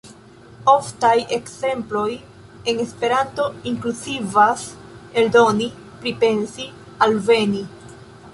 Oftaj ekzemploj en Esperanto inkluzivas "eldoni", "pripensi", "alveni".